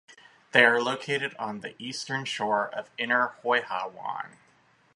They are located on the eastern shore of inner Hoi Ha Wan.